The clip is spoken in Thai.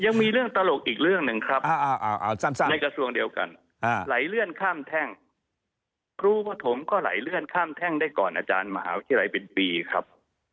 ยังมีเรื่องตลกอีกเรื่องหนึ่งครับ